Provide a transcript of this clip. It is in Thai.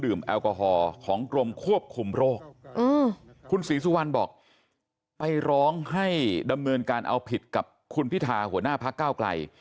แอลกอฮอล์ของกรมควบคุมโรคคุณศรีสุวรรณบอกไปร้องให้ดำเนินการเอาผิดกับคุณพิธาหัวหน้าพักเก้าไกล